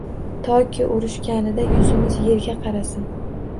Toki urishganida yuzimiz yerga qarasin.